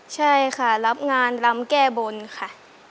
ใช่ค่ะรับงานรำแก้บนค่ะ